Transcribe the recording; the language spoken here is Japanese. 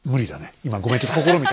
今ごめんちょっと試みた。